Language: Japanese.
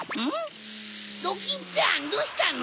・ドキンちゃんどうしたの？